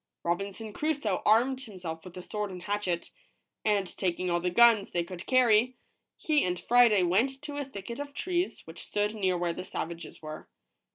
Robinson Crusoe armed himself with a sword and a hatchet, and taking all the guns they could carry, he and Friday went to a thicket of trees which stood near where the savages were.